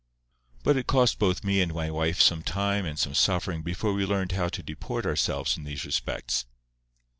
But it cost both me and my wife some time and some suffering before we learned how to deport ourselves in these respects.